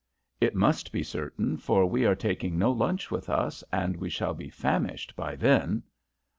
"It must be certain, for we are taking no lunch with us, and we shall be famished by then."